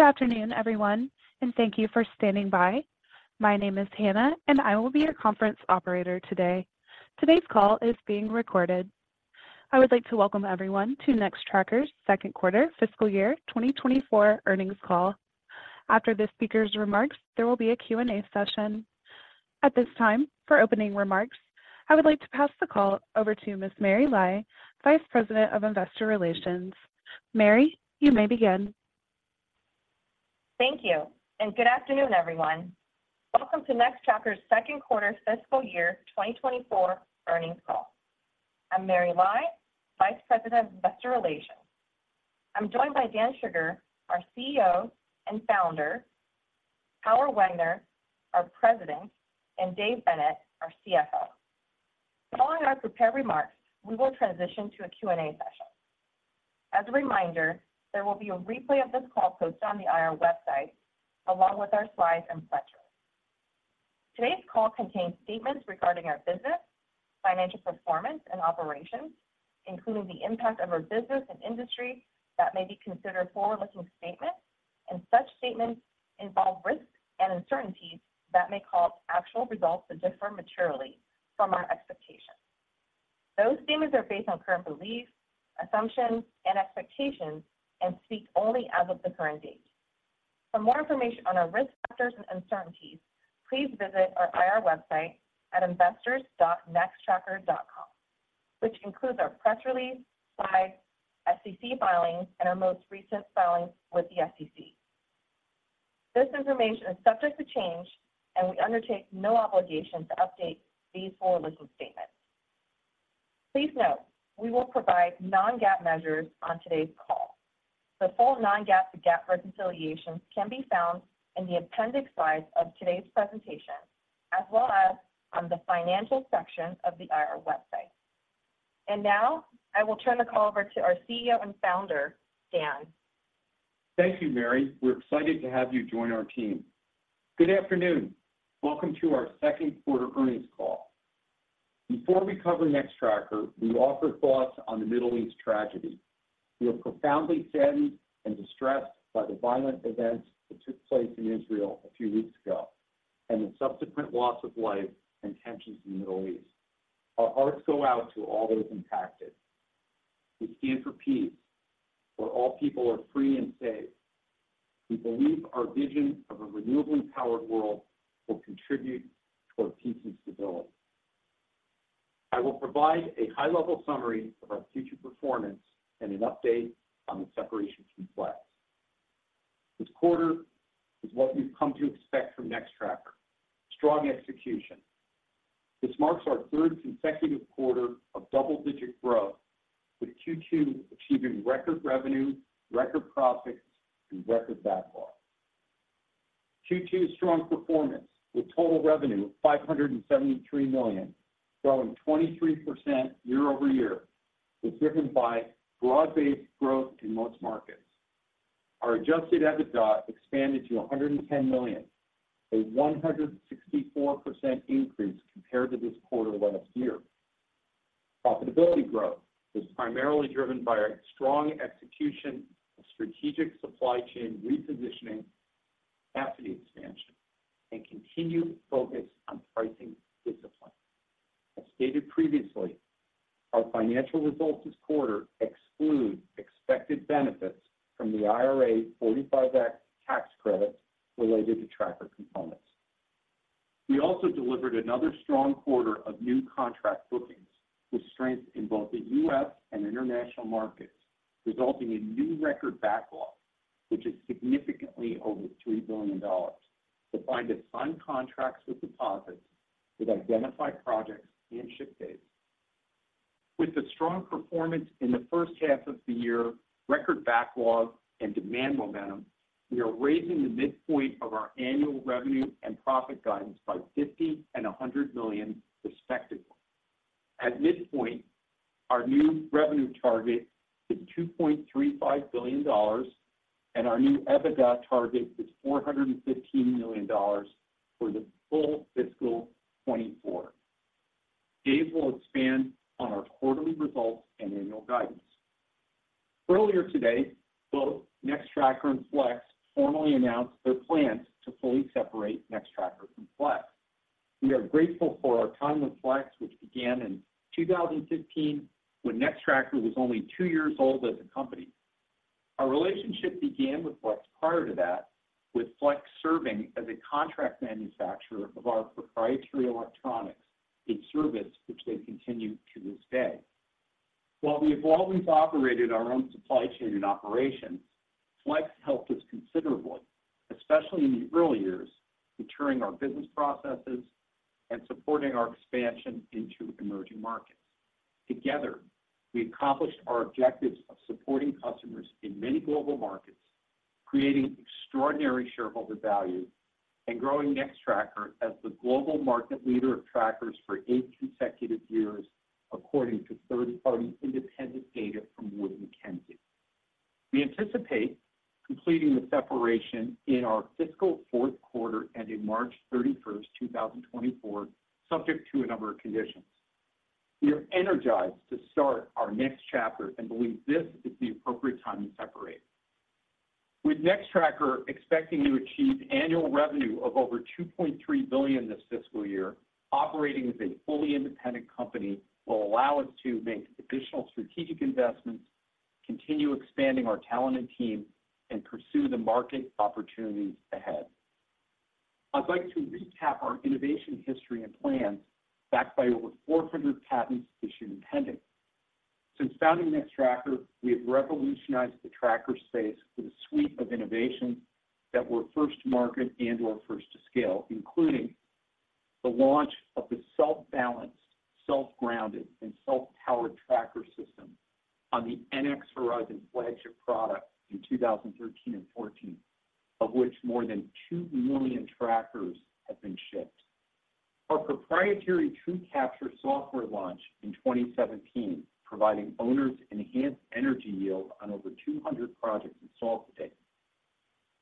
Good afternoon, everyone, and thank you for standing by. My name is Hannah, and I will be your conference operator today. Today's call is being recorded. I would like to welcome everyone to Nextracker's second quarter fiscal year 2024 earnings call. After the speaker's remarks, there will be a Q&A session. At this time, for opening remarks, I would like to pass the call over to Ms. Mary Lai, Vice President of Investor Relations. Mary, you may begin. Thank you, and good afternoon, everyone. Welcome to Nextracker's second quarter fiscal year 2024 earnings call. I'm Mary Lai, Vice President of Investor Relations. I'm joined by Dan Shugar, our CEO and founder, Howard Wenger, our President, and Dave Bennett, our CFO. Following our prepared remarks, we will transition to a Q&A session. As a reminder, there will be a replay of this call posted on the IR website, along with our slides and script. Today's call contains statements regarding our business, financial performance, and operations, including the impact of our business and industry that may be considered forward-looking statements, and such statements involve risks and uncertainties that may cause actual results to differ materially from our expectations. Those statements are based on current beliefs, assumptions, and expectations, and speak only as of the current date. For more information on our risk factors and uncertainties, please visit our IR website at investors.nextracker.com, which includes our press release, slides, SEC filings, and our most recent filings with the SEC. This information is subject to change, and we undertake no obligation to update these forward-looking statements. Please note, we will provide non-GAAP measures on today's call. The full non-GAAP to GAAP reconciliations can be found in the appendix slides of today's presentation, as well as on the financial section of the IR website. Now, I will turn the call over to our CEO and founder, Dan. Thank you, Mary. We're excited to have you join our team. Good afternoon. Welcome to our second quarter earnings call. Before we cover Nextracker, we offer thoughts on the Middle East tragedy. We are profoundly saddened and distressed by the violent events that took place in Israel a few weeks ago, and the subsequent loss of life and tensions in the Middle East. Our hearts go out to all those impacted. We stand for peace, where all people are free and safe. We believe our vision of a renewably powered world will contribute towards peace and stability. I will provide a high-level summary of our future performance and an update on the separation from Flex. This quarter is what we've come to expect from Nextracker: strong execution. This marks our third consecutive quarter of double-digit growth, with Q2 achieving record revenue, record profits, and record backlogs. Q2's strong performance, with total revenue of $573 million, growing 23% year-over-year, was driven by broad-based growth in most markets. Our Adjusted EBITDA expanded to $110 million, a 164% increase compared to this quarter last year. Profitability growth was primarily driven by our strong execution of strategic supply chain repositioning, capacity expansion, and continued focus on pricing discipline. As stated previously, our financial results this quarter exclude expected benefits from the IRA 45X tax credit related to tracker components. We also delivered another strong quarter of new contract bookings, with strength in both the U.S. and international markets, resulting in new record backlog, which is significantly over $3 billion, defined as signed contracts with deposits, with identified projects and ship dates. With the strong performance in the first half of the year, record backlog and demand momentum, we are raising the midpoint of our annual revenue and profit guidance by $50 million and $100 million, respectively. At midpoint, our new revenue target is $2.35 billion, and our new EBITDA target is $415 million for the full fiscal 2024. Dave will expand on our quarterly results and annual guidance. Earlier today, both Nextracker and Flex formally announced their plans to fully separate Nextracker from Flex. We are grateful for our time with Flex, which began in 2015, when Nextracker was only two years old as a company. Our relationship began with Flex prior to that, with Flex serving as a contract manufacturer of our proprietary electronics, a service which they continue to this day. While we have always operated our own supply chain and operations, Flex helped us considerably, especially in the early years, maturing our business processes and supporting our expansion into emerging markets. Together, we accomplished our objectives of supporting customers in many global markets, creating extraordinary shareholder value, and growing Nextracker as the global market leader of trackers for eight consecutive years, according to third-party independent data from Wood Mackenzie. We anticipate completing the separation in our fiscal fourth quarter, ending March 31st, 2024, subject to a number of conditions. We are energized to start our next chapter and believe this is the appropriate time to separate. With Nextracker expecting to achieve annual revenue of over $2.3 billion this fiscal year, operating as a fully independent company will allow us to make additional strategic investments, continue expanding our talented team, and pursue the market opportunities ahead. I'd like to recap our innovation history and plans, backed by over 400 patents issued and pending. Since founding Nextracker, we have revolutionized the tracker space with a suite of innovations that were first to market and or first to scale, including the launch of the self-balanced, self-grounded, and self-powered tracker system on the NX Horizon flagship product in 2013 and 2014, of which more than 2 million trackers have been shipped. Our proprietary TrueCapture software launched in 2017, providing owners enhanced energy yield on over 200 projects installed to date.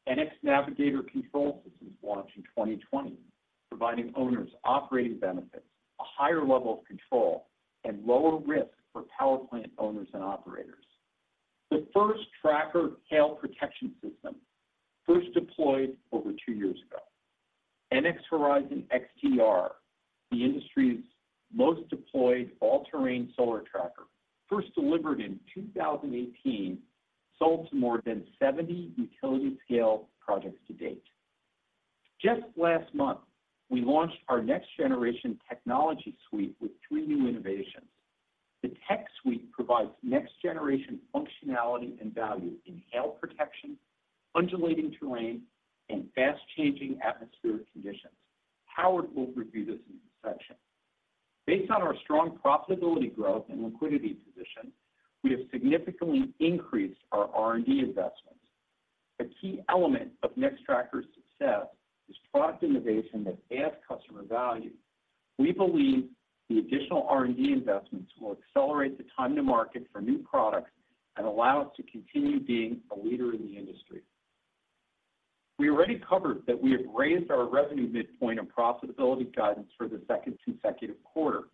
NX Navigator control systems launched in 2020, providing owners operating benefits, a higher level of control, and lower risk for power plant owners and operators. The first tracker hail protection system, first deployed over two years ago. NX Horizon XTR, the industry's most deployed all-terrain solar tracker, first delivered in 2018, sold to more than 70 utility-scale projects to date. Just last month, we launched our next generation technology suite with three new innovations. The tech suite provides next generation functionality and value in hail protection, undulating terrain, and fast-changing atmospheric conditions. Howard will review this in his section. Based on our strong profitability growth and liquidity position, we have significantly increased our R&D investments. A key element of Nextracker's success is product innovation that adds customer value. We believe the additional R&D investments will accelerate the time to market for new products and allow us to continue being a leader in the industry. We already covered that we have raised our revenue midpoint and profitability guidance for the second consecutive quarter,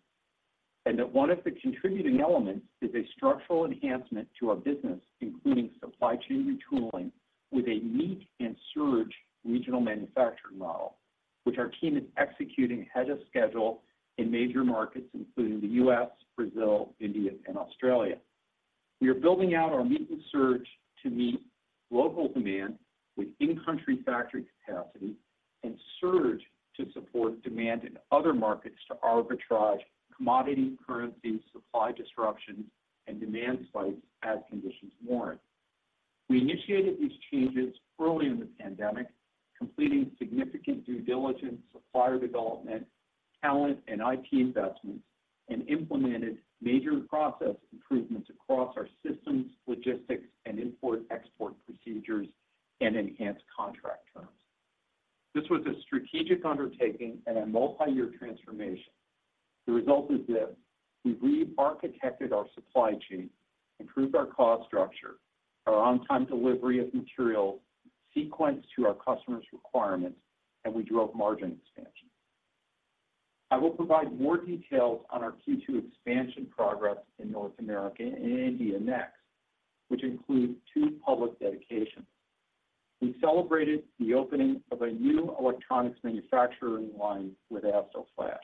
and that one of the contributing elements is a structural enhancement to our business, including supply chain retooling with a Meet-and-Surge regional manufacturing model, which our team is executing ahead of schedule in major markets, including the U.S., Brazil, India, and Australia. We are building out our Meet-and-Surge to meet local demand with in-country factory capacity and surge to support demand in other markets to arbitrage commodity, currency, supply disruptions, and demand spikes as conditions warrant. We initiated these changes early in the pandemic, completing significant due diligence, supplier development, talent, and IT investments, and implemented major process improvements across our systems, logistics, and import/export procedures and enhanced contract terms. This was a strategic undertaking and a multi-year transformation. The result is this: We've re-architected our supply chain, improved our cost structure, our on-time delivery of material sequenced to our customers' requirements, and we drove margin expansion. I will provide more details on our Q2 expansion progress in North America and India next, which includes two public dedications. We celebrated the opening of a new electronics manufacturing line with Asteelflash.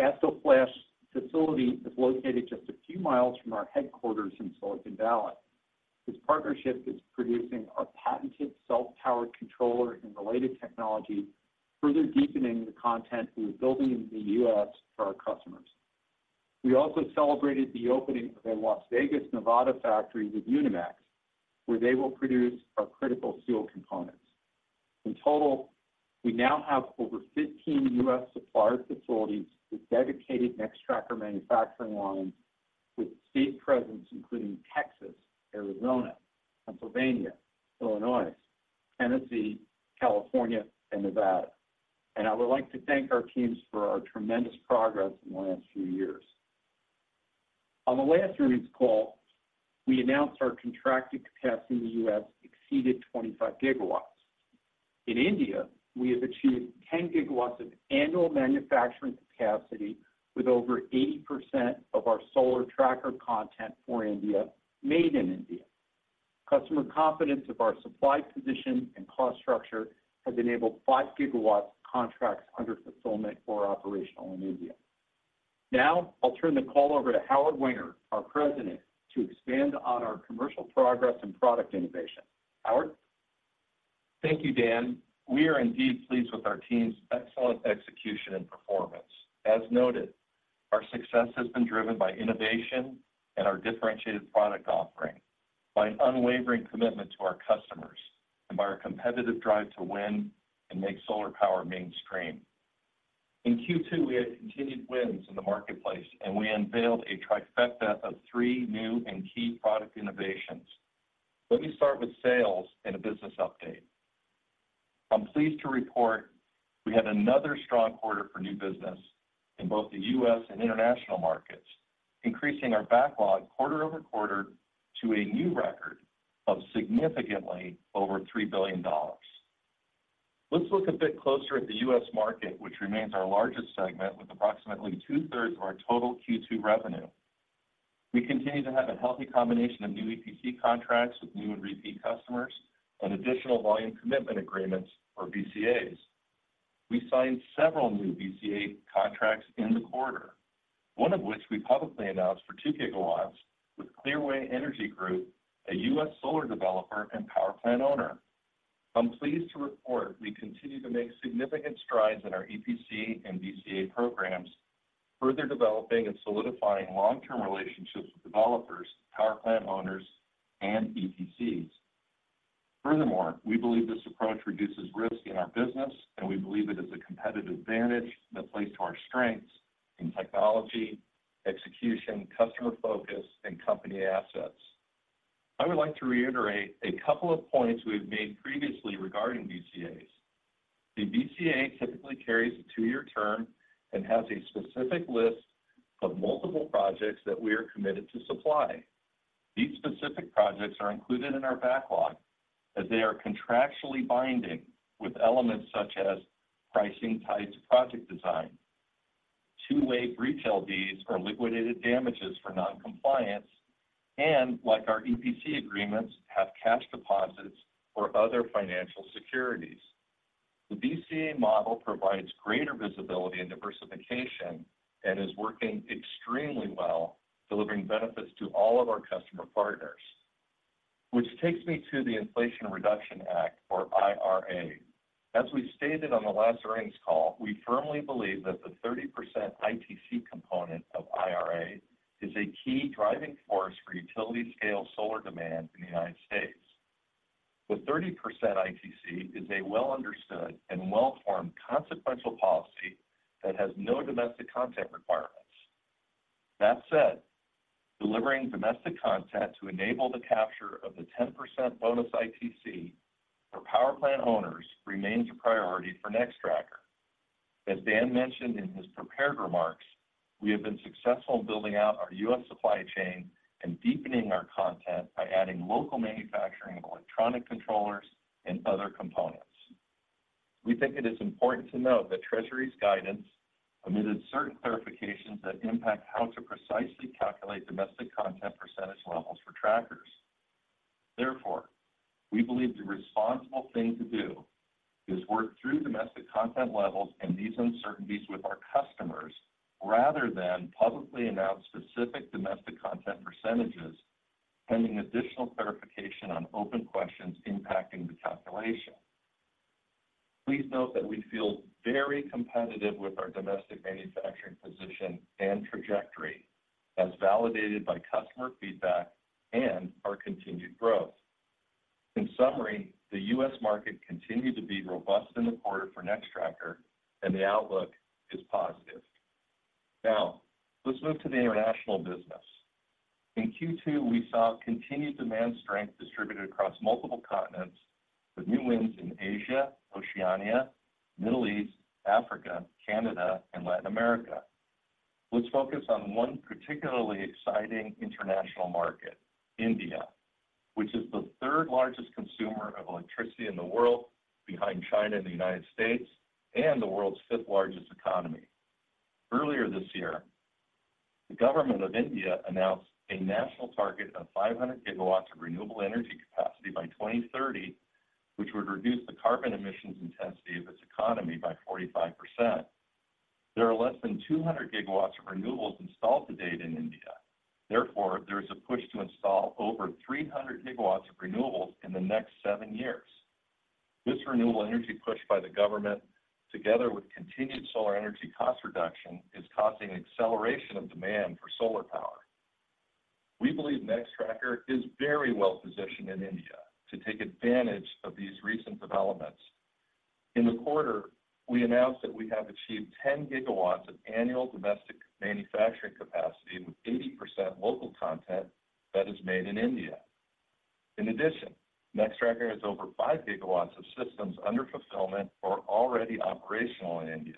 Asteelflash's facility is located just a few miles from our headquarters in Silicon Valley. This partnership is producing a patented self-powered controller and related technology, further deepening the content we are building in the U.S. for our customers. We also celebrated the opening of our Las Vegas, Nevada, factory with Unimax, where they will produce our critical steel components. In total, we now have over 15 U.S. supplier facilities with dedicated Nextracker manufacturing lines with state presence, including Texas, Arizona, Pennsylvania, Illinois, Tennessee, California, and Nevada. I would like to thank our teams for our tremendous progress in the last few years. On the last earnings call, we announced our contracted capacity in the U.S. exceeded 25 GW. In India, we have achieved 10 GW of annual manufacturing capacity with over 80% of our solar tracker content for India made in India. Customer confidence of our supply position and cost structure has enabled 5 GW contracts under fulfillment or operational in India. Now, I'll turn the call over to Howard Wenger, our President, to expand on our commercial progress and product innovation. Howard? Thank you, Dan. We are indeed pleased with our team's excellent execution and performance. As noted, our success has been driven by innovation and our differentiated product offering, by an unwavering commitment to our customers, and by our competitive drive to win and make solar power mainstream. In Q2, we had continued wins in the marketplace, and we unveiled a trifecta of three new and key product innovations. Let me start with sales and a business update. I'm pleased to report we had another strong quarter for new business in both the U.S. and international markets, increasing our backlog quarter-over-quarter to a new record of significantly over $3 billion. ... Let's look a bit closer at the U.S. market, which remains our largest segment, with approximately two-thirds of our total Q2 revenue. We continue to have a healthy combination of new EPC contracts with new and repeat customers and additional volume commitment agreements or VCAs. We signed several new VCA contracts in the quarter, one of which we publicly announced for 2 GW with Clearway Energy Group, a U.S. solar developer and power plant owner. I'm pleased to report we continue to make significant strides in our EPC and VCA programs, further developing and solidifying long-term relationships with developers, power plant owners, and EPCs. Furthermore, we believe this approach reduces risk in our business, and we believe it is a competitive advantage that plays to our strengths in technology, execution, customer focus, and company assets. I would like to reiterate a couple of points we've made previously regarding VCAs. A VCA typically carries a two year term and has a specific list of multiple projects that we are committed to supply. These specific projects are included in our backlog as they are contractually binding with elements such as, pricing tied to project design. Two-way retail fees are liquidated damages for non-compliance, and like our EPC agreements, have cash deposits or other financial securities. The VCA model provides greater visibility and diversification, and is working extremely well, delivering benefits to all of our customer partners. Which takes me to the Inflation Reduction Act, or IRA. As we stated on the last earnings call, we firmly believe that the 30% ITC component of IRA is a key driving force for utility-scale solar demand in the United States. The 30% ITC is a well-understood and well-formed consequential policy that has no domestic content requirements. That said, delivering domestic content to enable the capture of the 10% bonus ITC for power plant owners remains a priority for Nextracker. As Dan mentioned in his prepared remarks, we have been successful in building out our U.S. supply chain and deepening our content by adding local manufacturing of electronic controllers and other components. We think it is important to note that Treasury's guidance omitted certain clarifications that impact how to precisely calculate domestic content percentage levels for trackers. Therefore, we believe the responsible thing to do is work through domestic content levels and these uncertainties with our customers, rather than publicly announce specific domestic content percentages, pending additional clarification on open questions impacting the calculation. Please note that we feel very competitive with our domestic manufacturing position and trajectory, as validated by customer feedback and our continued growth. In summary, the U.S. market continued to be robust in the quarter for Nextracker, and the outlook is positive. Now, let's move to the international business. In Q2, we saw continued demand strength distributed across multiple continents, with new wins in Asia, Oceania, Middle East, Africa, Canada, and Latin America. Let's focus on one particularly exciting international market, India, which is the third-largest consumer of electricity in the world, behind China and the United States, and the world's fifth-largest economy. Earlier this year, the government of India announced a national target of 500 GW of renewable energy capacity by 2030, which would reduce the carbon emissions intensity of its economy by 45%. There are less than 200 GW of renewables installed to date in India. Therefore, there is a push to install over 300 GW of renewables in the next seven years. This renewable energy push by the government, together with continued solar energy cost reduction, is causing an acceleration of demand for solar power. We believe Nextracker is very well positioned in India to take advantage of these recent developments. In the quarter, we announced that we have achieved 10 GW of annual domestic manufacturing capacity, with 80% local content that is made in India. In addition, Nextracker has over 5 GW of systems under fulfillment or already operational in India.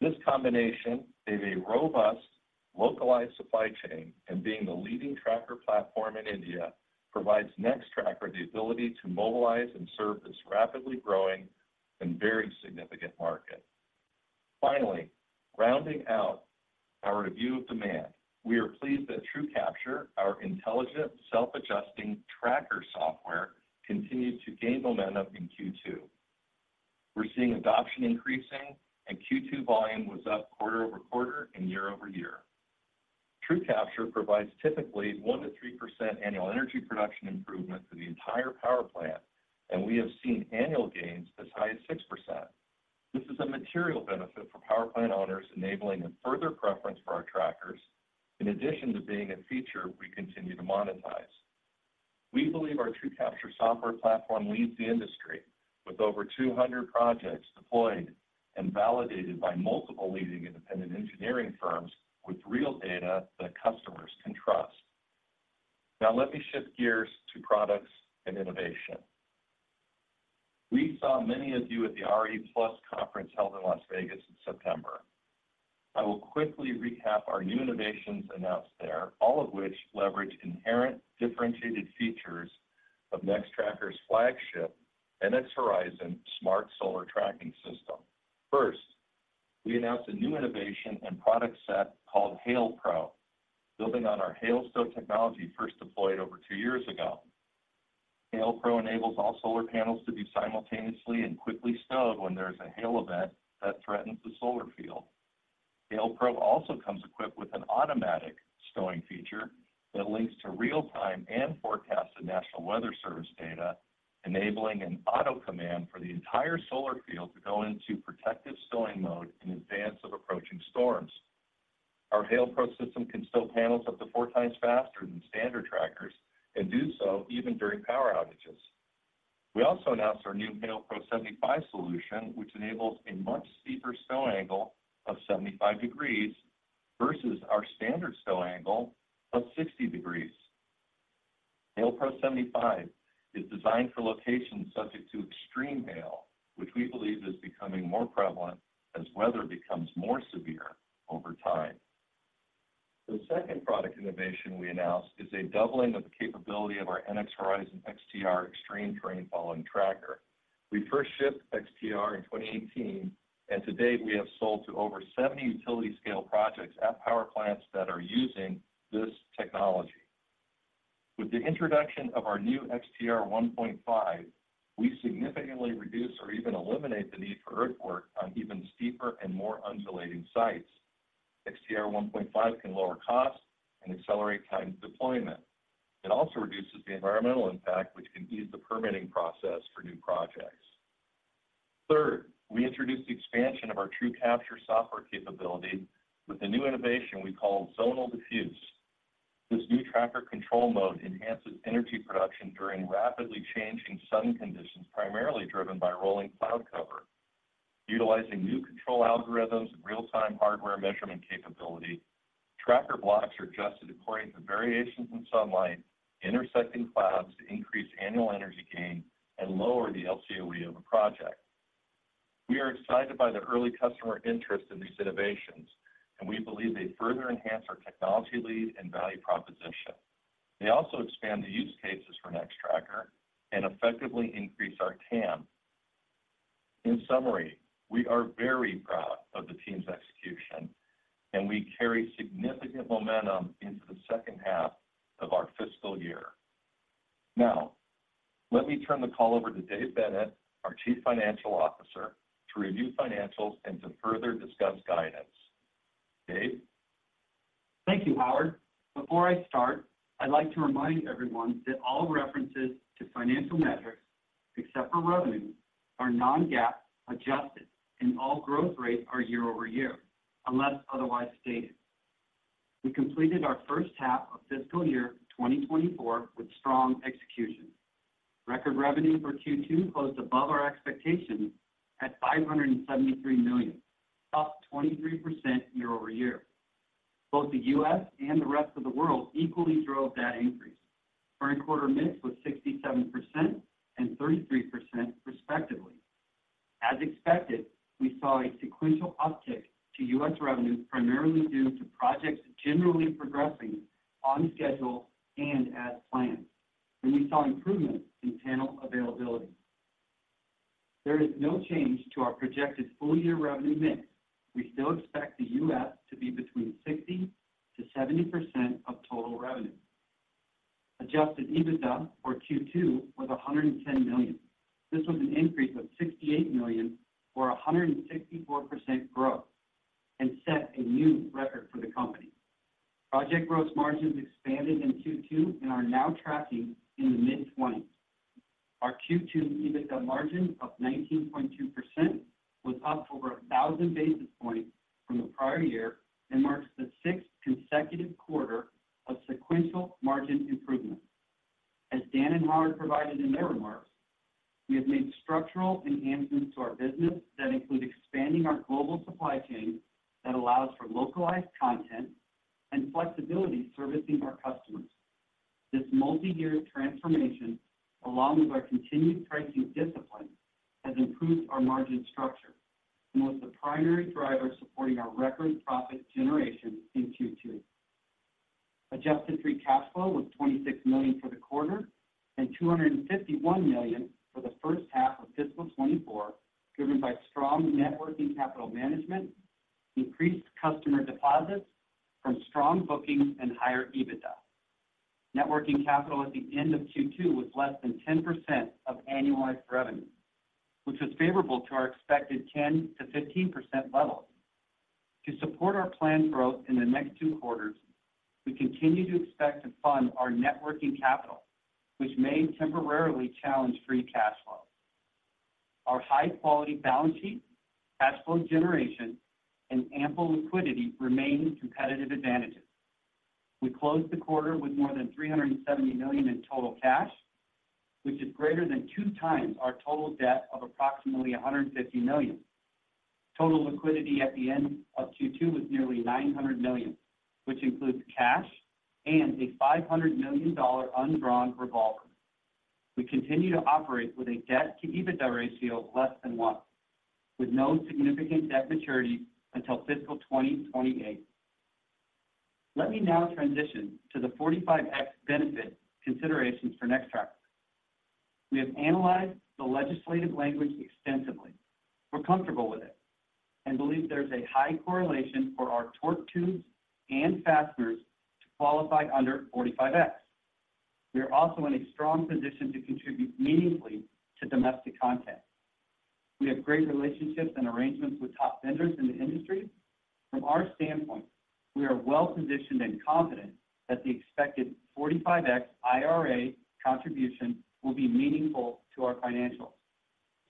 This combination of a robust localized supply chain and being the leading tracker platform in India, provides Nextracker the ability to mobilize and serve this rapidly growing and very significant market. Finally, rounding out our review of demand, we are pleased that TrueCapture, our intelligent, self-adjusting tracker software, continued to gain momentum in Q2. We're seeing adoption increasing, and Q2 volume was up quarter-over-quarter and year-over-year. TrueCapture provides typically 1%-3% annual energy production improvement to the entire power plant, and we have seen annual gains as high as 6%. This is a material benefit for power plant owners, enabling a further preference for our trackers in addition to being a feature we continue to monetize. We believe our TrueCapture software platform leads the industry with over 200 projects deployed and validated by multiple leading independent engineering firms with real data that customers can trust. Now, let me shift gears to products and innovation. We saw many of you at the RE+ conference held in Las Vegas in September... I will quickly recap our new innovations announced there, all of which leverage inherent differentiated features of Nextracker's flagship, NX Horizon Smart Solar Tracking System. First, we announced a new innovation and product set called Hail Pro, building on our Hail Stow technology first deployed over two years ago. Hail Pro enables all solar panels to be simultaneously and quickly stowed when there is a hail event that threatens the solar field. Hail Pro also comes equipped with an automatic stowing feature that links to real-time and forecasted National Weather Service data, enabling an auto command for the entire solar field to go into protective stowing mode in advance of approaching storms. Our Hail Pro system can stow panels up to four times faster than standard trackers and do so even during power outages. We also announced our new Hail Pro 75 solution, which enables a much steeper stow angle of 75 degrees versus our standard stow angle of 60 degrees. Hail Pro 75 is designed for locations subject to extreme hail, which we believe is becoming more prevalent as weather becomes more severe over time. The second product innovation we announced is a doubling of the capability of our NX Horizon XTR Extreme Terrain Following Tracker. We first shipped XTR in 2018, and to date, we have sold to over 70 utility-scale projects at power plants that are using this technology. With the introduction of our new XTR 1.5, we significantly reduce or even eliminate the need for earthwork on even steeper and more undulating sites. XTR 1.5 can lower costs and accelerate time to deployment. It also reduces the environmental impact, which can ease the permitting process for new projects. Third, we introduced the expansion of our TrueCapture software capability with a new innovation we call Zonal Diffuse. This new tracker control mode enhances energy production during rapidly changing sun conditions, primarily driven by rolling cloud cover. Utilizing new control algorithms and real-time hardware measurement capability, tracker blocks are adjusted according to variations in sunlight, intersecting clouds to increase annual energy gain and lower the LCOE of a project. We are excited by the early customer interest in these innovations, and we believe they further enhance our technology lead and value proposition. They also expand the use cases for Nextracker and effectively increase our TAM. In summary, we are very proud of the team's execution, and we carry significant momentum into the second half of our fiscal year. Now, let me turn the call over to Dave Bennett, our Chief Financial Officer, to review financials and to further discuss guidance. Dave? Thank you, Howard. Before I start, I'd like to remind everyone that all references to financial measures, except for revenue, are non-GAAP adjusted, and all growth rates are year-over-year, unless otherwise stated. We completed our first half of fiscal year 2024 with strong execution. Record revenue for Q2 closed above our expectations at $573 million, up 23% year-over-year. Both the U.S. and the rest of the world equally drove that increase. Foreign quarter mix was 67% and 33% respectively. As expected, we saw a sequential uptick to U.S. revenue, primarily due to projects generally progressing on schedule and as planned, and we saw improvement in panel availability. There is no change to our projected full-year revenue mix. We still expect the U.S. to be between 60%-70% of total revenue. Adjusted EBITDA for Q2 was $110 million. This was an increase of $68 million, or 164% growth, and set a new record for the company. Project gross margins expanded in Q2 and are now tracking in the mid-20s. Our Q2 EBITDA margin of 19.2% was up over 1,000 basis points from the prior year and marks the sixth consecutive quarter of sequential margin improvement. As Dan and Howard provided in their remarks, we have made structural enhancements to our business that include expanding our global supply chain that allows for localized content and flexibility servicing our customers. This multi-year transformation, along with our continued pricing discipline, has improved our margin structure and was the primary driver supporting our record profit generation in Q2. Adjusted free cash flow was $26 million for the quarter and $251 million for the first half of fiscal 2024, driven by strong net working capital management, increased customer deposits from strong bookings, and higher EBITDA. Net working capital at the end of Q2 was less than 10% of annualized revenue, which is favorable to our expected 10%-15% level. To support our planned growth in the next two quarters, we continue to expect to fund our net working capital, which may temporarily challenge free cash flow. Our high-quality balance sheet, cash flow generation, and ample liquidity remain competitive advantages. We closed the quarter with more than $370 million in total cash, which is greater than 2 times our total debt of approximately $150 million. Total liquidity at the end of Q2 was nearly $900 million, which includes cash and a $500 million undrawn revolver. We continue to operate with a debt to EBITDA ratio of less than 1, with no significant debt maturities until fiscal 2028. Let me now transition to the 45X benefit considerations for Nextracker. We have analyzed the legislative language extensively. We're comfortable with it, and believe there's a high correlation for our torque tubes and fasteners to qualify under 45X. We are also in a strong position to contribute meaningfully to domestic content. We have great relationships and arrangements with top vendors in the industry. From our standpoint, we are well-positioned and confident that the expected 45X IRA contribution will be meaningful to our financials,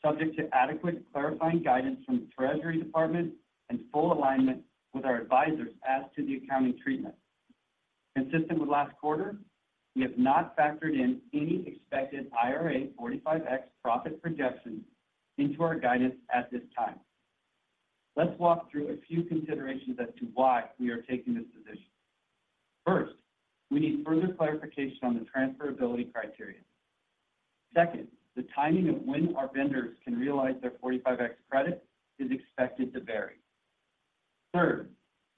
subject to adequate clarifying guidance from the Treasury Department and full alignment with our advisors as to the accounting treatment. Consistent with last quarter, we have not factored in any expected IRA 45X profit projections into our guidance at this time. Let's walk through a few considerations as to why we are taking this position. First, we need further clarification on the transferability criteria. Second, the timing of when our vendors can realize their 45X credit is expected to vary. Third,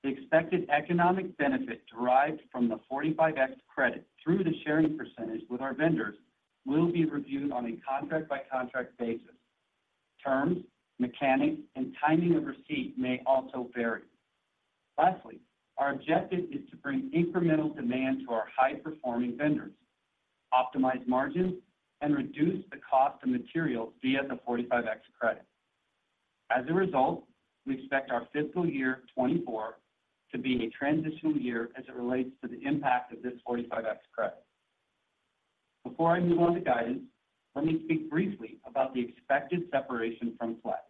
the expected economic benefit derived from the 45X credit through the sharing percentage with our vendors will be reviewed on a contract-by-contract basis. Terms, mechanics, and timing of receipt may also vary. Lastly, our objective is to bring incremental demand to our high-performing vendors, optimize margins, and reduce the cost of materials via the 45X credit. As a result, we expect our fiscal year 2024 to be a transitional year as it relates to the impact of this 45X credit. Before I move on to guidance, let me speak briefly about the expected separation from Flex.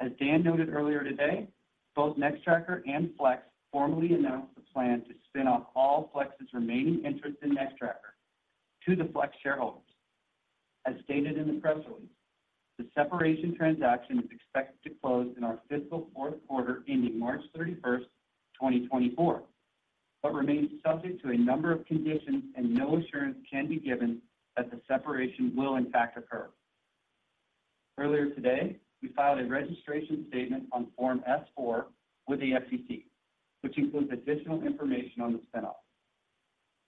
As Dan noted earlier today, both Nextracker and Flex formally announced the plan to spin off all Flex's remaining interest in Nextracker to the Flex shareholders. As stated in the press release, the separation transaction is expected to close in our fiscal fourth quarter, ending March 31st, 2024, but remains subject to a number of conditions, and no assurance can be given that the separation will in fact occur. Earlier today, we filed a registration statement on Form S-4 with the SEC, which includes additional information on the spin-off.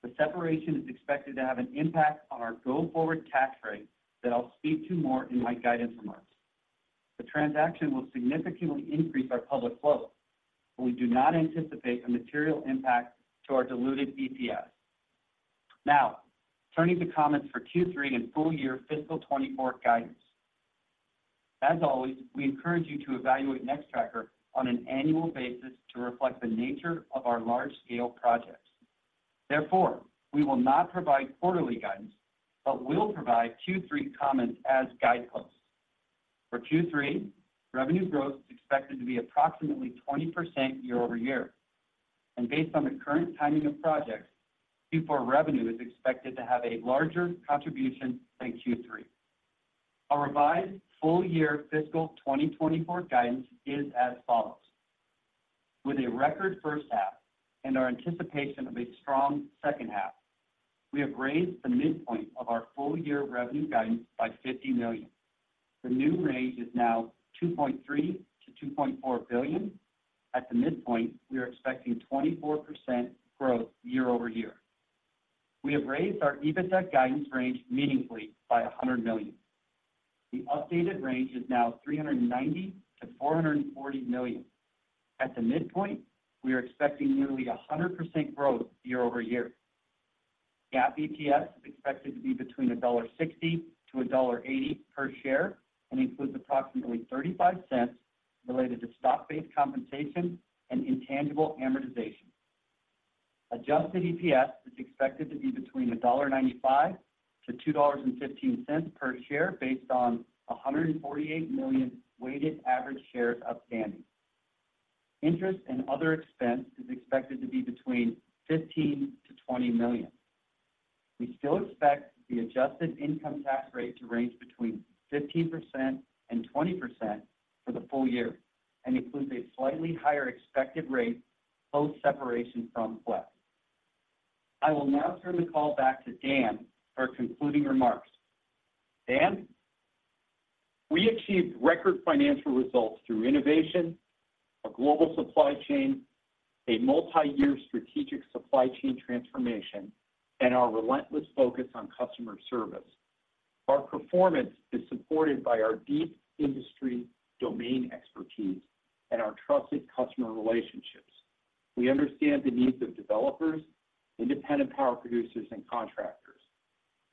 The separation is expected to have an impact on our go-forward tax rate that I'll speak to more in my guidance remarks. The transaction will significantly increase our public float, but we do not anticipate a material impact to our diluted EPS. Now, turning to comments for Q3 and full year fiscal 2024 guidance. As always, we encourage you to evaluate Nextracker on an annual basis to reflect the nature of our large-scale projects. Therefore, we will not provide quarterly guidance, but will provide Q3 comments as guideposts. For Q3, revenue growth is expected to be approximately 20% year-over-year, and based on the current timing of projects, Q4 revenue is expected to have a larger contribution than Q3. Our revised full year fiscal 2024 guidance is as follows: With a record first half and our anticipation of a strong second half, we have raised the midpoint of our full year revenue guidance by $50 million. The new range is now $2.3 billion-$2.4 billion. At the midpoint, we are expecting 24% growth year-over-year. We have raised our EBITDA guidance range meaningfully by $100 million. The updated range is now $390 million-$440 million. At the midpoint, we are expecting nearly 100% growth year-over-year. GAAP EPS is expected to be between $1.60-$1.80 per share and includes approximately $0.35 related to stock-based compensation and intangible amortization. Adjusted EPS is expected to be between $1.95-$2.15 per share, based on 148 million weighted average shares outstanding. Interest and other expense is expected to be between $15 million-$20 million. We still expect the adjusted income tax rate to range between 15%-20% for the full year, and includes a slightly higher expected rate, post-separation from Flex. I will now turn the call back to Dan for concluding remarks. Dan? We achieved record financial results through innovation, a global supply chain, a multi-year strategic supply chain transformation, and our relentless focus on customer service. Our performance is supported by our deep industry domain expertise and our trusted customer relationships. We understand the needs of developers, independent power producers, and contractors.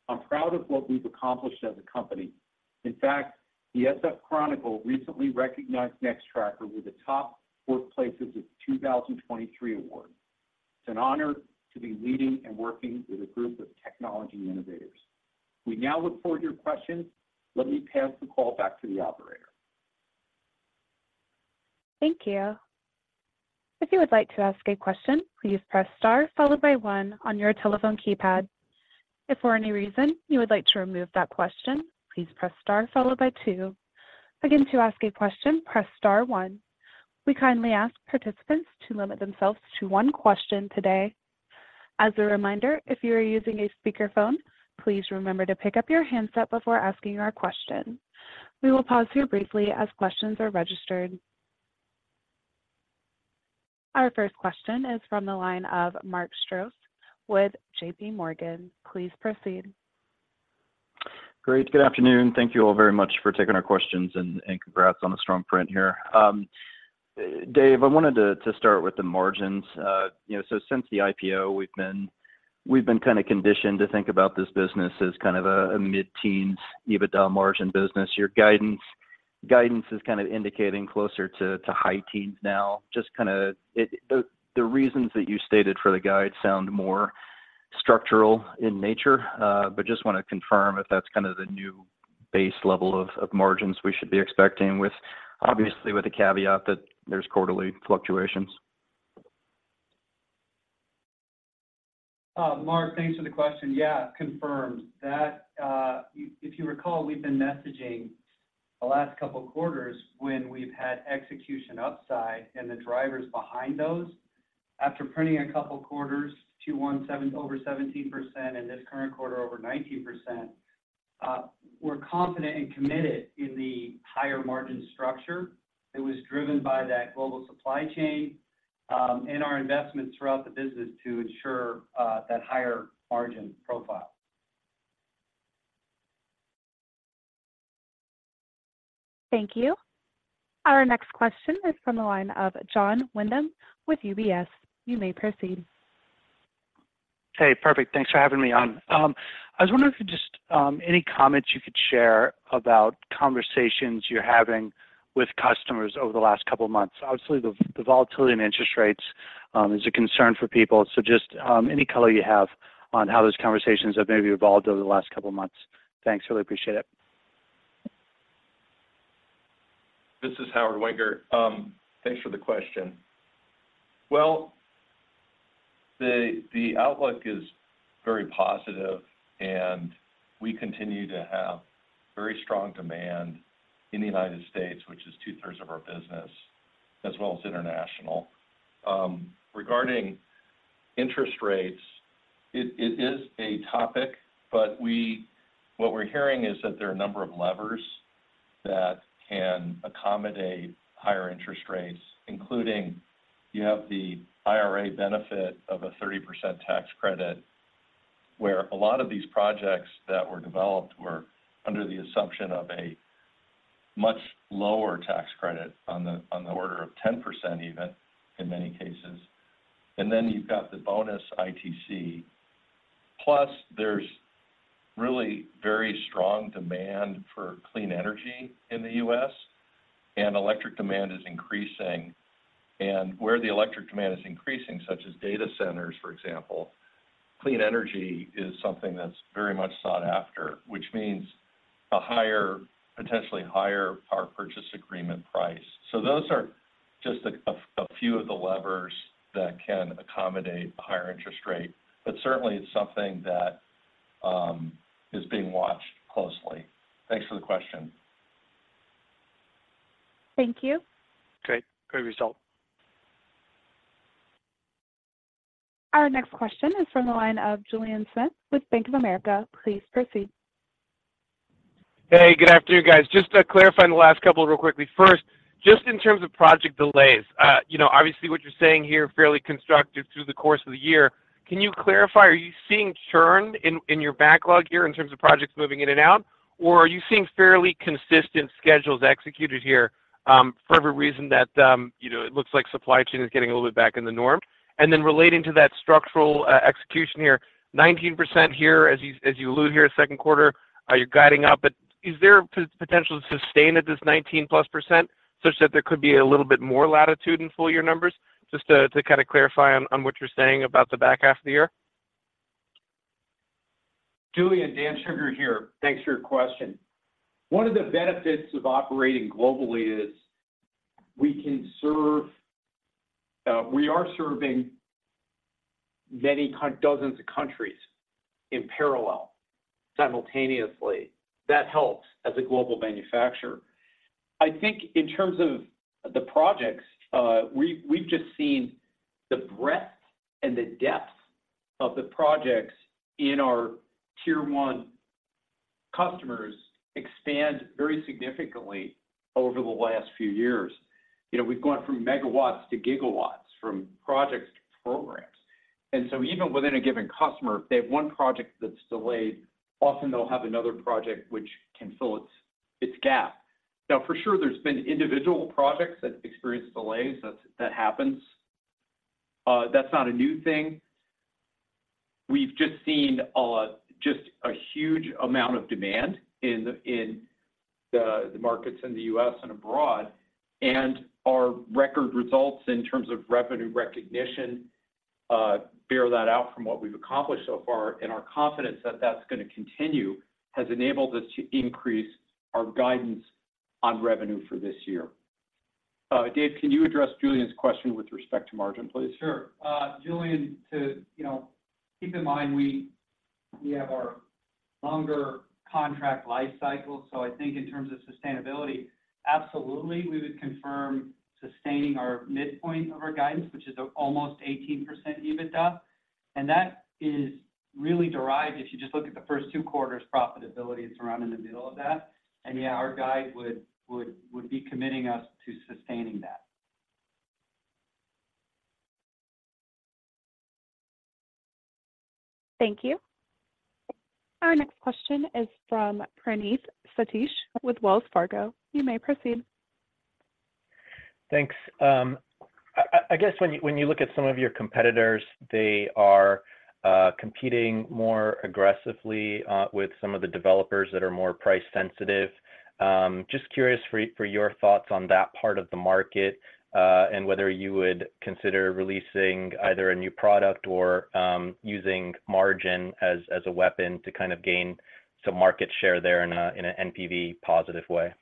I'm proud of what we've accomplished as a company. In fact, the SF Chronicle recently recognized Nextpower with the Top Workplaces of 2023 award. It's an honor to be leading and working with a group of technology innovators. We now look forward to your questions. Let me pass the call back to the operator. Thank you. If you would like to ask a question, please press star followed by one on your telephone keypad. If for any reason you would like to remove that question, please press star followed by two.... Again, to ask a question, press star one. We kindly ask participants to limit themselves to one question today. As a reminder, if you are using a speakerphone, please remember to pick up your handset before asking your question. We will pause here briefly as questions are registered. Our first question is from the line of Mark Strouse with JPMorgan. Please proceed. Great. Good afternoon, and thank you all very much for taking our questions, and congrats on a strong print here. Dave, I wanted to start with the margins. You know, so since the IPO, we've been kind of conditioned to think about this business as kind of a mid-teens EBITDA margin business. Your guidance is kind of indicating closer to high teens now. Just kind of, the reasons that you stated for the guide sound more structural in nature, but just want to confirm if that's kind of the new base level of margins we should be expecting with, obviously with the caveat that there's quarterly fluctuations. Mark, thanks for the question. Yeah, confirmed. That, if you recall, we've been messaging the last couple quarters when we've had execution upside and the drivers behind those. After printing a couple quarters, 21.7% over 17%, in this current quarter, over 19%, we're confident and committed in the higher margin structure. It was driven by that global supply chain, and our investments throughout the business to ensure that higher margin profile. Thank you. Our next question is from the line of Jon Windham with UBS. You may proceed. Hey, perfect. Thanks for having me on. I was wondering if just any comments you could share about conversations you're having with customers over the last couple of months. Obviously, the volatility in interest rates is a concern for people. So just any color you have on how those conversations have maybe evolved over the last couple of months. Thanks. Really appreciate it. This is Howard Wenger. Thanks for the question. Well, the outlook is very positive, and we continue to have very strong demand in the United States, which is two-thirds of our business, as well as international. Regarding interest rates, it is a topic, but what we're hearing is that there are a number of levers that can accommodate higher interest rates, including you have the IRA benefit of a 30% tax credit, where a lot of these projects that were developed were under the assumption of a much lower tax credit on the order of 10% even in many cases. And then you've got the bonus ITC, plus there's really very strong demand for clean energy in the U.S., and electric demand is increasing. Where the electric demand is increasing, such as data centers, for example, clean energy is something that's very much sought after, which means a higher, potentially higher power purchase agreement price. So those are just a few of the levers that can accommodate a higher interest rate, but certainly it's something that is being watched closely. Thanks for the question. Thank you. Great. Great result. Our next question is from the line of Julien Smith with Bank of America. Please proceed. Hey, good afternoon, guys. Just to clarify on the last couple really quickly. First, just in terms of project delays, you know, obviously, what you're saying here, fairly constructive through the course of the year. Can you clarify, are you seeing churn in your backlog here in terms of projects moving in and out, or are you seeing fairly consistent schedules executed here, for every reason that, you know, it looks like supply chain is getting a little bit back in the norm? And then relating to that structural execution here, 19% here, as you allude here, second quarter, are you guiding up? But is there potential to sustain at this +19% such that there could be a little bit more latitude in full year numbers? Just to kind of clarify on what you're saying about the back half of the year. Julien, Dan Shugar here. Thanks for your question. One of the benefits of operating globally is we can serve, we are serving many dozens of countries in parallel, simultaneously. That helps as a global manufacturer. I think in terms of the projects, we've just seen the breadth and the depth of the projects in our tier one customers expand very significantly over the last few years. You know, we've gone from megawatts to GW, from projects to programs. And so even within a given customer, if they have one project that's delayed, often they'll have another project which can fill its gap. Now, for sure, there's been individual projects that experienced delays. That happens. That's not a new thing. We've just seen just a huge amount of demand in the markets in the U.S. and abroad, and our record results in terms of revenue recognition bear that out from what we've accomplished so far, and our confidence that that's going to continue has enabled us to increase our guidance on revenue for this year. Dave, can you address Julien's question with respect to margin, please? Sure. Julian, you know, keep in mind, we have our longer contract life cycle. So I think in terms of sustainability, absolutely, we would confirm sustaining our midpoint of our guidance, which is almost 18% EBITDA. And that is really derived, if you just look at the first two quarters' profitability, it's around in the middle of that. And yeah, our guide would be committing us to sustaining that. Thank you. Our next question is from Praneeth Satish with Wells Fargo. You may proceed. Thanks. I guess when you look at some of your competitors, they are competing more aggressively with some of the developers that are more price-sensitive. Just curious for your thoughts on that part of the market, and whether you would consider releasing either a new product or using margin as a weapon to kind of gain some market share there in a NPV positive way.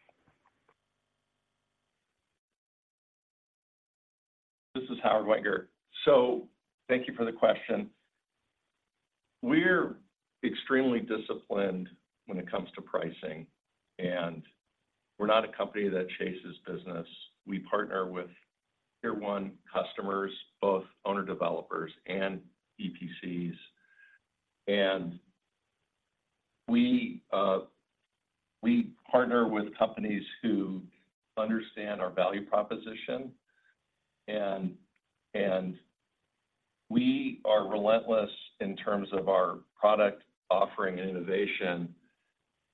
This is Howard Wenger. So thank you for the question. We're extremely disciplined when it comes to pricing, and we're not a company that chases business. We partner with Tier One customers, both owner-developers and EPCs. And we, we partner with companies who understand our value proposition, and we are relentless in terms of our product offering and innovation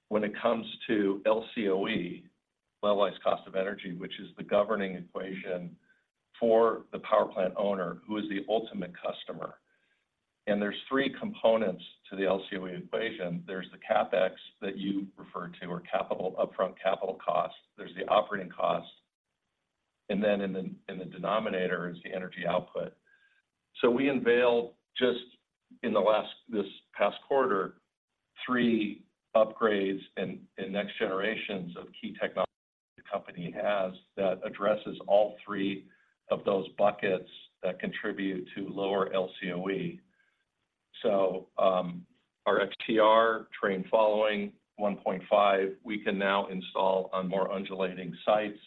when it comes to LCOE, levelized cost of energy, which is the governing equation for the power plant owner, who is the ultimate customer. And there's three components to the LCOE equation. There's the CapEx that you referred to, or capital-upfront capital cost, there's the operating cost, and then in the denominator is the energy output. So we unveiled just in this past quarter, three upgrades and next generations of key technology the company has, that addresses all three of those buckets that contribute to lower LCOE. So, our XTR terrain following 1.5, we can now install on more undulating sites,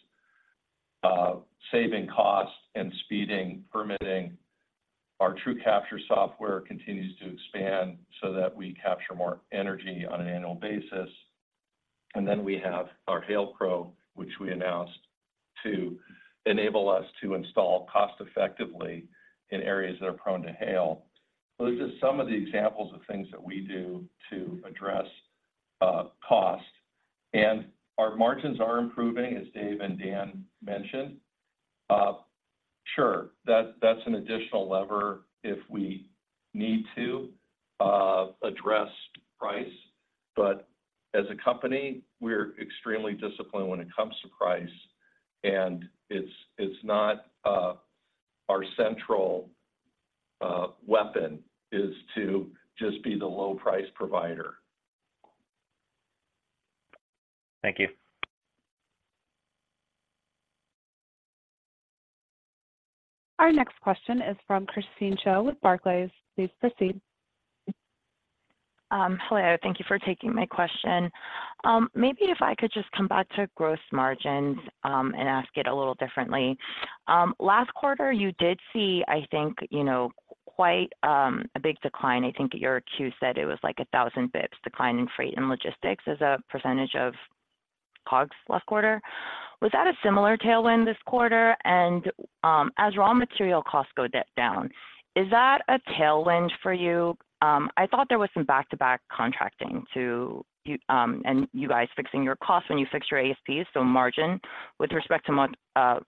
saving costs and speeding permitting. Our TrueCapture software continues to expand so that we capture more energy on an annual basis. And then we have our Hail Pro, which we announced to enable us to install cost effectively in areas that are prone to hail. Those are some of the examples of things that we do to address cost. And our margins are improving, as Dave and Dan mentioned. Sure, that's an additional lever if we need to address price. But as a company, we're extremely disciplined when it comes to price, and it's not our central weapon to just be the low-price provider. Thank you. Our next question is from Christine Cho with Barclays. Please proceed. Hello, thank you for taking my question. Maybe if I could just come back to gross margins and ask it a little differently. Last quarter, you did see, I think, you know, quite a big decline. I think your Q said it was like a 1,000 basis points decline in freight and logistics as a percentage of COGS last quarter. Was that a similar tailwind this quarter? And, as raw material costs go down, is that a tailwind for you? I thought there was some back-to-back contracting to you and you guys fixing your costs when you fixed your ASP, so margin with respect to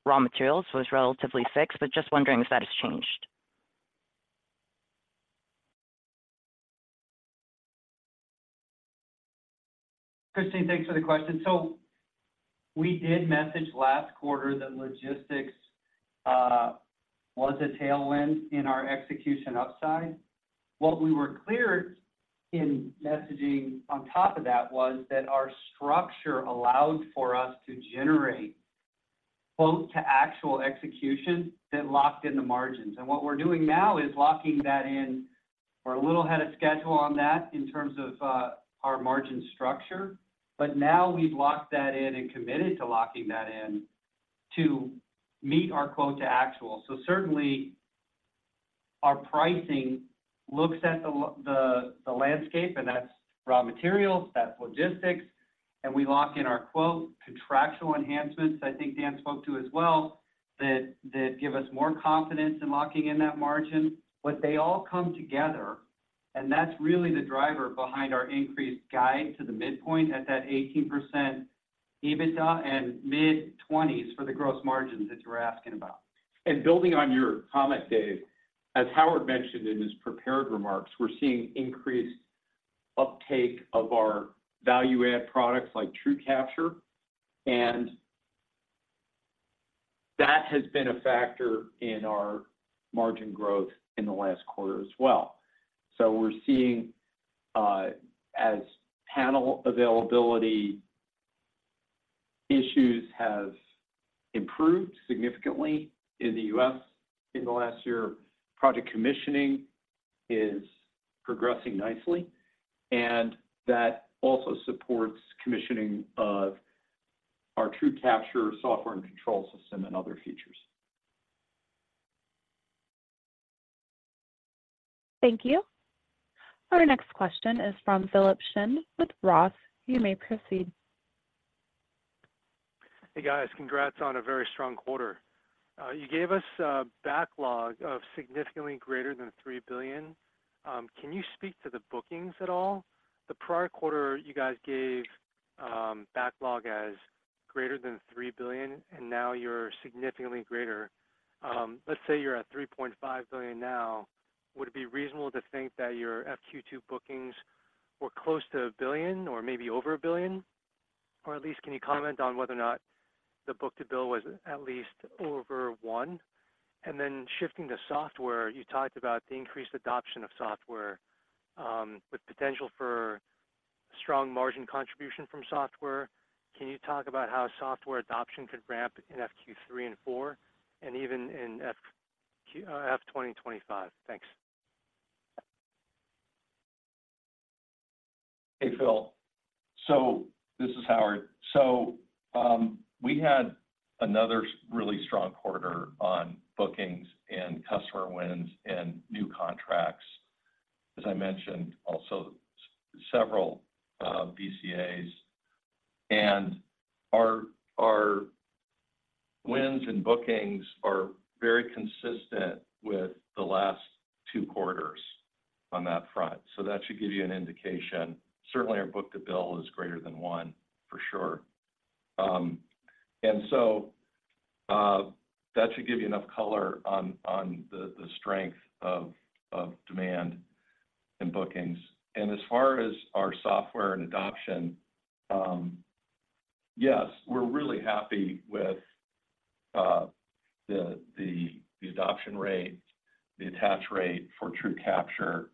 raw materials was relatively fixed. But just wondering if that has changed? Christine, thanks for the question. So we did message last quarter that logistics was a tailwind in our execution upside. What we were clear in messaging on top of that was that our structure allowed for us to generate quote-to-actual execution that locked in the margins. And what we're doing now is locking that in. We're a little ahead of schedule on that in terms of our margin structure, but now we've locked that in and committed to locking that in to meet our quote to actual. So certainly, our pricing looks at the landscape, and that's raw materials, that's logistics, and we lock in our quote, contractual enhancements, I think Dan spoke to as well, that give us more confidence in locking in that margin. But they all come together, and that's really the driver behind our increased guide to the midpoint at that 18% EBITDA and mid-20s for the gross margins that you were asking about. And building on your comment, Dave, as Howard mentioned in his prepared remarks, we're seeing increased uptake of our value-add products like TrueCapture, and that has been a factor in our margin growth in the last quarter as well. So we're seeing, as panel availability issues have improved significantly in the U.S. in the last year, project commissioning is progressing nicely, and that also supports commissioning of our TrueCapture software and control system and other features. Thank you. Our next question is from Philip Shen with Roth. You may proceed. Hey, guys. Congrats on a very strong quarter. You gave us a backlog of significantly greater than $3 billion. Can you speak to the bookings at all? The prior quarter, you guys gave backlog as greater than $3 billion, and now you're significantly greater. Let's say you're at $3.5 billion now, would it be reasonable to think that your FQ2 bookings were close to $1 billion or maybe over $1 billion? Or at least can you comment on whether or not the book-to-bill was at least over 1? And then shifting to software, you talked about the increased adoption of software with potential for strong margin contribution from software. Can you talk about how software adoption could ramp in FQ3 and FQ4, and even in F2025? Thanks. Hey, Phil. So this is Howard. We had another really strong quarter on bookings and customer wins and new contracts. As I mentioned, also several VCAs. And our wins and bookings are very consistent with the last two quarters on that front, so that should give you an indication. Certainly, our Book-to-Bill is greater than one, for sure. And so, that should give you enough color on the strength of demand and bookings. And as far as our software and adoption, yes, we're really happy with the adoption rate, the attach rate for TrueCapture.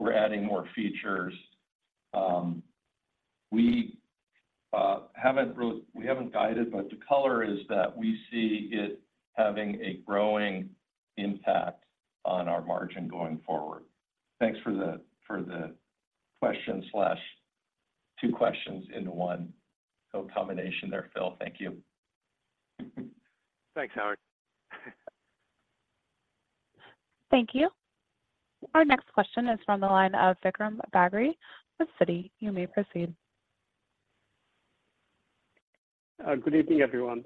We're adding more features. We haven't guided, but the color is that we see it having a growing impact on our margin going forward. Thanks for the question, two questions into one. So, combination there, Phil. Thank you. Thanks, Howard. Thank you. Our next question is from the line of Vikram Bagri with Citi. You may proceed. Good evening, everyone.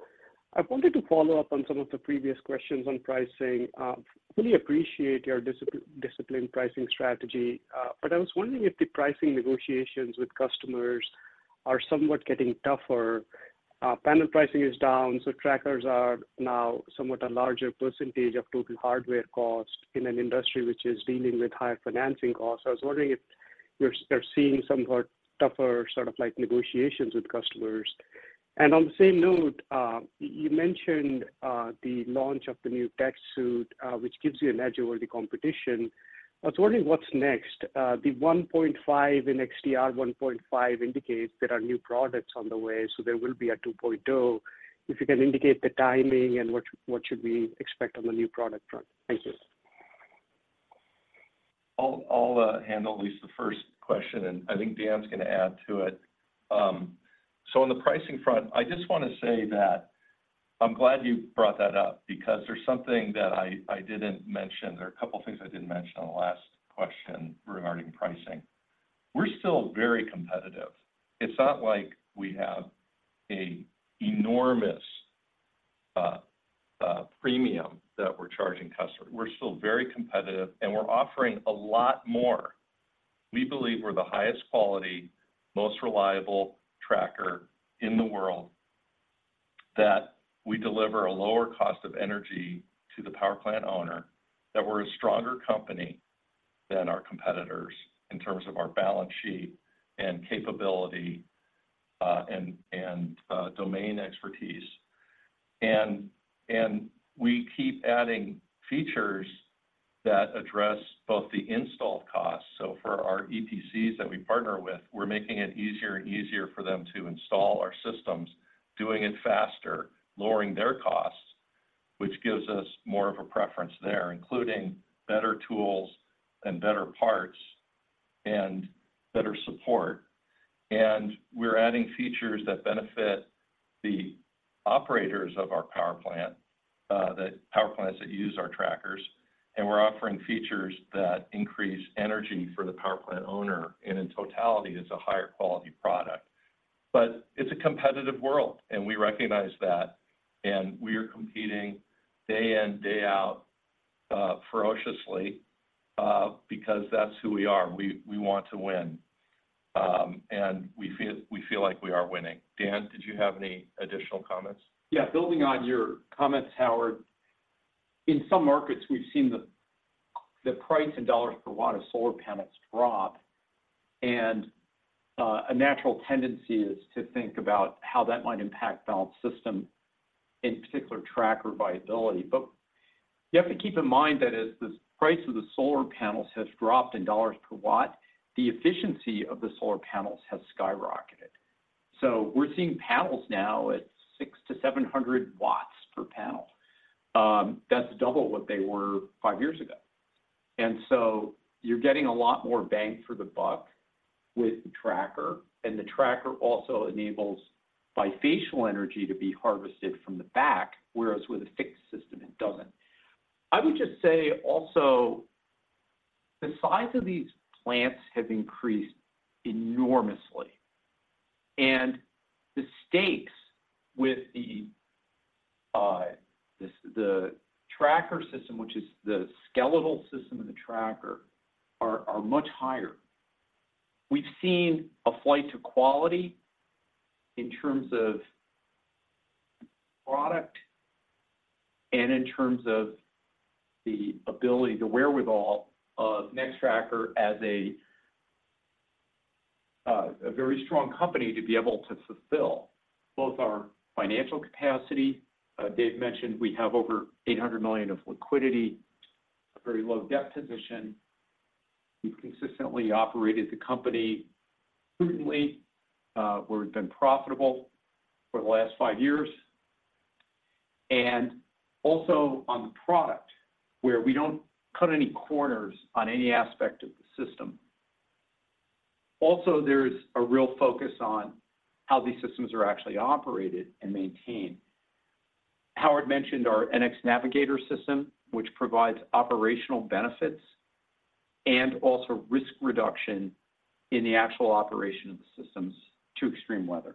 I wanted to follow up on some of the previous questions on pricing. Really appreciate your disciplined pricing strategy, but I was wondering if the pricing negotiations with customers are somewhat getting tougher. Panel pricing is down, so trackers are now somewhat a larger percentage of total hardware cost in an industry which is dealing with higher financing costs. I was wondering if you're seeing somewhat tougher, sort of like negotiations with customers. And on the same note, you mentioned the launch of the new tech suite, which gives you an edge over the competition. I was wondering what's next? The 1.5 in XTR 1.5 indicates there are new products on the way, so there will be a 2.0. If you can indicate the timing and what, what should we expect on the new product front? Thank you. I'll handle at least the first question, and I think Dan's gonna add to it. So on the pricing front, I just want to say that I'm glad you brought that up because there's something that I didn't mention, or a couple of things I didn't mention on the last question regarding pricing. We're still very competitive. It's not like we have an enormous premium that we're charging customers. We're still very competitive, and we're offering a lot more. We believe we're the highest quality, most reliable tracker in the world, that we deliver a lower cost of energy to the power plant owner, that we're a stronger company than our competitors in terms of our balance sheet and capability, and domain expertise. We keep adding features that address both the installed costs. So for our EPCs that we partner with, we're making it easier and easier for them to install our systems, doing it faster, lowering their costs, which gives us more of a preference there, including better tools and better parts and better support. And we're adding features that benefit the operators of our power plant, the power plants that use our trackers, and we're offering features that increase energy for the power plant owner, and in totality, it's a higher quality product. But it's a competitive world, and we recognize that, and we are competing day in, day out, ferociously, because that's who we are. We want to win, and we feel like we are winning. Dan, did you have any additional comments? Yeah. Building on your comments, Howard, in some markets, we've seen the price in dollars per watt of solar panels drop, and-... A natural tendency is to think about how that might impact balance system, in particular, tracker viability. But you have to keep in mind that as the price of the solar panels has dropped in dollars per watt, the efficiency of the solar panels has skyrocketed. So we're seeing panels now at 600 W-700 W per panel. That's double what they were five years ago. And so you're getting a lot more bang for the buck with the tracker, and the tracker also enables bifacial energy to be harvested from the back, whereas with a fixed system, it doesn't. I would just say also, the size of these plants have increased enormously, and the stakes with the tracker system, which is the skeletal system of the tracker, are much higher. We've seen a flight to quality in terms of product and in terms of the ability, the wherewithal of Nextracker as a very strong company to be able to fulfill both our financial capacity. Dave mentioned we have over $800 million of liquidity, a very low debt position. We've consistently operated the company prudently, where we've been profitable for the last five years, and also on the product, where we don't cut any corners on any aspect of the system. Also, there's a real focus on how these systems are actually operated and maintained. Howard mentioned our NX Navigator system, which provides operational benefits and also risk reduction in the actual operation of the systems to extreme weather.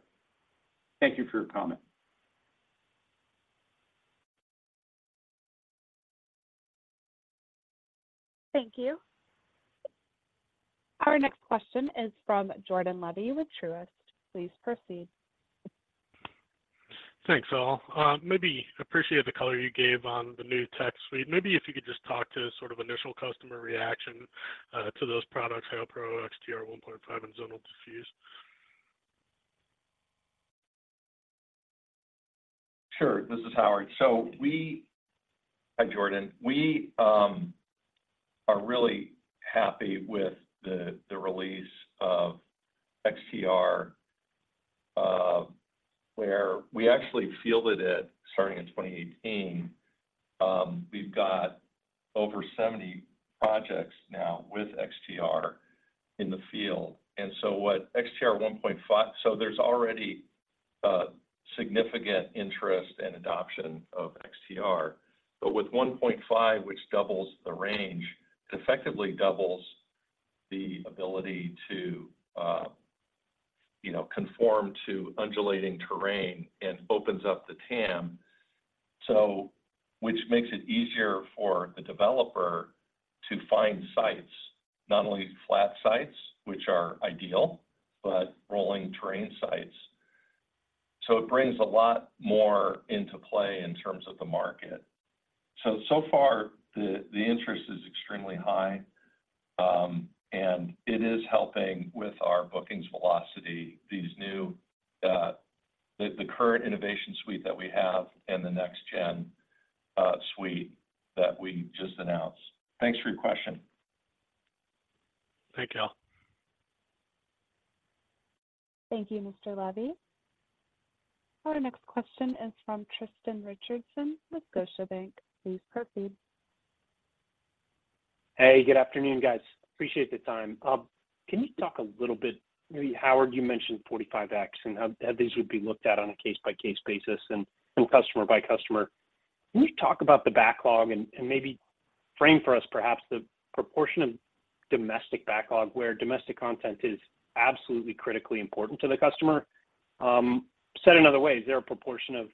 Thank you for your comment. Thank you. Our next question is from Jordan Levy with Truist. Please proceed. Thanks, all. Maybe appreciate the color you gave on the new tech suite. Maybe if you could just talk to sort of initial customer reaction to those products, Hail Pro, XTR 1.5, and Zonal Diffuse. Sure. This is Howard. So we, hi, Jordan. We are really happy with the release of XTR, where we actually fielded it starting in 2018. We've got over 70 projects now with XTR in the field, and so what XTR 1.5, so there's already a significant interest and adoption of XTR. But with 1.5, which doubles the range, effectively doubles the ability to, you know, conform to undulating terrain and opens up the TAM. So which makes it easier for the developer to find sites, not only flat sites, which are ideal, but rolling terrain sites. So it brings a lot more into play in terms of the market. So, so far, the interest is extremely high, and it is helping with our bookings velocity, these new, the current innovation suite that we have and the next gen suite that we just announced. Thanks for your question. Thank you. Thank you, Mr. Levy. Our next question is from Tristan Richardson with Scotiabank. Please proceed. Hey, good afternoon, guys. Appreciate the time. Can you talk a little bit, maybe, Howard, you mentioned 45X and how, how these would be looked at on a case-by-case basis and, and customer by customer. Can you talk about the backlog and, and maybe frame for us perhaps the proportion of domestic backlog, where domestic content is absolutely critically important to the customer? Said another way, is there a proportion of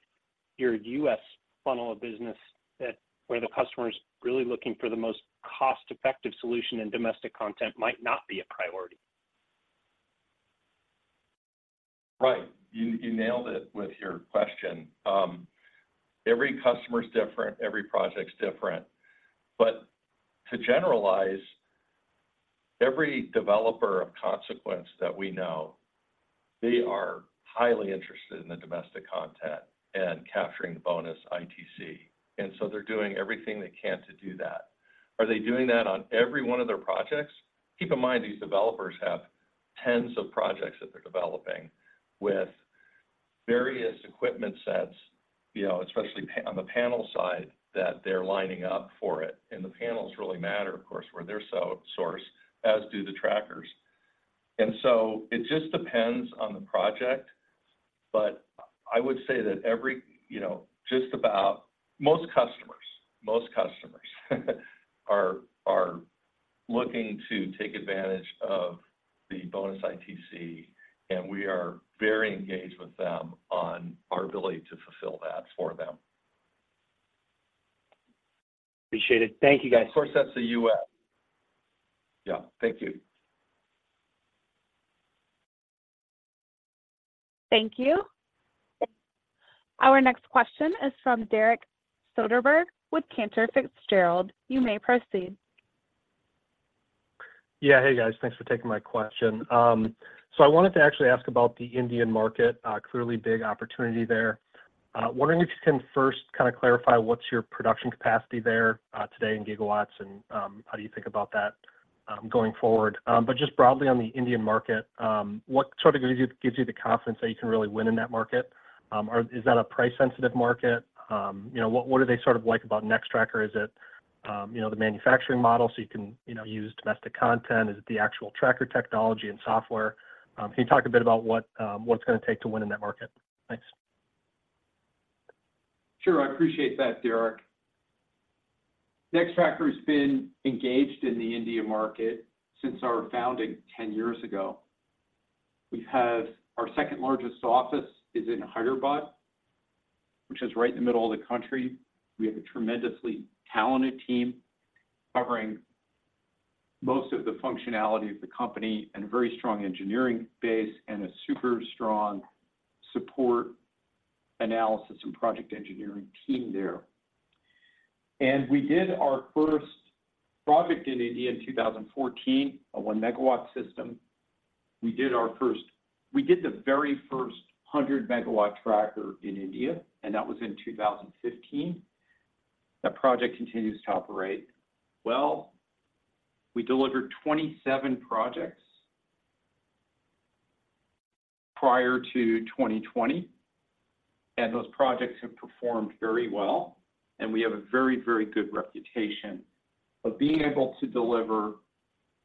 your U.S. funnel of business that where the customer is really looking for the most cost-effective solution and domestic content might not be a priority? Right. You nailed it with your question. Every customer is different, every project is different. But to generalize, every developer of consequence that we know, they are highly interested in the domestic content and capturing the bonus ITC, and so they're doing everything they can to do that. Are they doing that on every one of their projects? Keep in mind, these developers have tens of projects that they're developing with various equipment sets, you know, especially on the panel side, that they're lining up for it, and the panels really matter, of course, where they're sourced, as do the trackers. It just depends on the project, but I would say that every, you know, just about most customers are looking to take advantage of the bonus ITC, and we are very engaged with them on our ability to fulfill that for them. Appreciate it. Thank you, guys. Of course, that's the U.S. Yeah. Thank you. Thank you. Our next question is from Derek Soderberg with Cantor Fitzgerald. You may proceed. Yeah. Hey, guys. Thanks for taking my question. So I wanted to actually ask about the Indian market. Clearly big opportunity there. Wondering if you can first kind of clarify what's your production capacity there, today in GW, and, how do you think about that, going forward? But just broadly on the Indian market, what sort of gives you, gives you the confidence that you can really win in that market? Or is that a price-sensitive market? You know, what, what do they sort of like about Nextracker? Is it, you know, the manufacturing model so you can, you know, use domestic content? Is it the actual tracker technology and software? Can you talk a bit about what, what it's going to take to win in that market? Thanks. Sure. I appreciate that, Derek. Nextracker has been engaged in the India market since our founding ten years ago. We have. Our second-largest office is in Hyderabad, which is right in the middle of the country. We have a tremendously talented team covering most of the functionality of the company and a very strong engineering base, and a super strong support, analysis, and project engineering team there. And we did our first project in India in 2014, a 1 MW system. We did the very first 100 MW tracker in India, and that was in 2015. That project continues to operate well. We delivered 27 projects prior to 2020, and those projects have performed very well, and we have a very, very good reputation of being able to deliver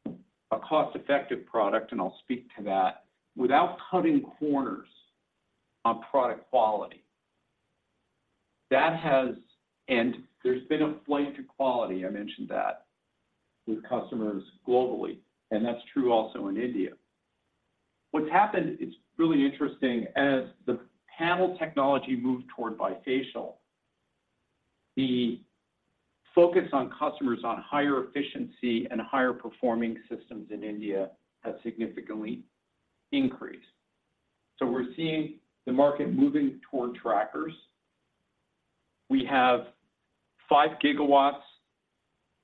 a cost-effective product, and I'll speak to that, without cutting corners on product quality. That has. There's been a flight to quality, I mentioned that, with customers globally, and that's true also in India. What's happened, it's really interesting, as the panel technology moved toward bifacial, the focus on customers on higher efficiency and higher-performing systems in India has significantly increased. So we're seeing the market moving toward trackers. We have 5 GW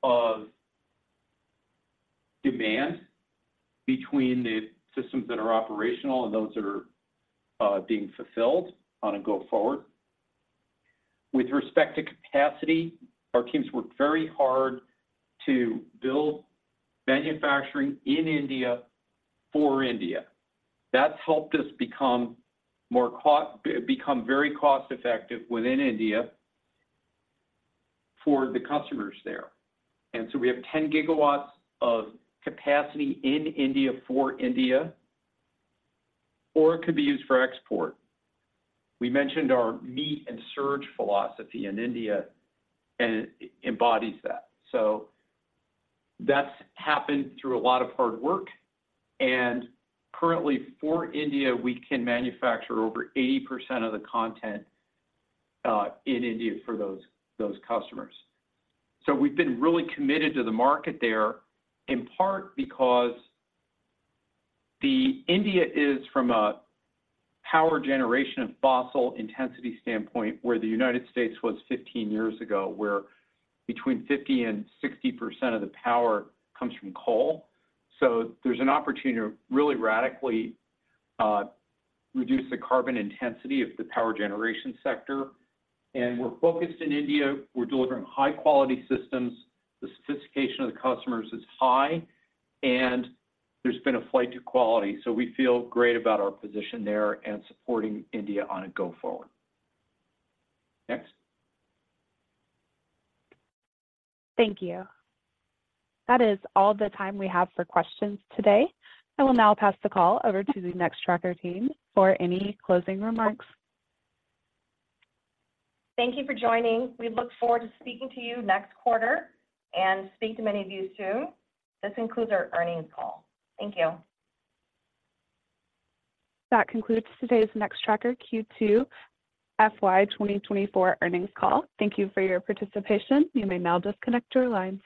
of demand between the systems that are operational and those that are being fulfilled on a go forward. With respect to capacity, our teams worked very hard to build manufacturing in India for India. That's helped us become very cost-effective within India for the customers there. So we have 10 GW of capacity in India for India, or it could be used for export. We mentioned our Meet and Surge philosophy in India, and it embodies that. So that's happened through a lot of hard work, and currently for India, we can manufacture over 80% of the content in India for those customers. So we've been really committed to the market there, in part because India is from a power generation of fossil intensity standpoint, where the United States was 15 years ago, where between 50% and 60% of the power comes from coal. So there's an opportunity to really radically reduce the carbon intensity of the power generation sector. And we're focused in India. We're delivering high-quality systems. The sophistication of the customers is high, and there's been a flight to quality, so we feel great about our position there and supporting India on a go forward. Next. Thank you. That is all the time we have for questions today. I will now pass the call over to the Nextracker team for any closing remarks. Thank you for joining. We look forward to speaking to you next quarter and speak to many of you soon. This concludes our earnings call. Thank you. That concludes today's Nextracker Q2 FY 2024 earnings call. Thank you for your participation. You may now disconnect your lines.